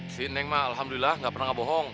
si neng ma alhamdulillah gak pernah gak bohong